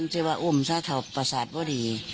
เชื่อว่าอุ๊ยถ้าเถาประสาทก็ดี